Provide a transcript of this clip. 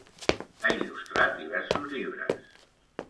Ha il·lustrat diversos llibres.